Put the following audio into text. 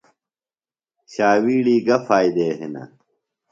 شاویڑی گہ فائدےۡ ہِنہ؟